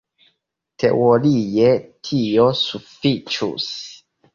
Teorie tio sufiĉus.